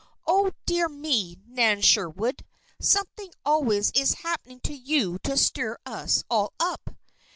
Oh, dear me, Nan Sherwood! Something always is happening to you to stir us all up!"